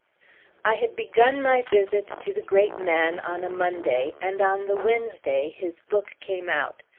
I had begun my visit to the great man on a Monday, and on the Wednesday his book came out.